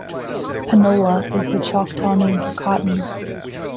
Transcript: "Panola" is the Choctaw name for "cotton".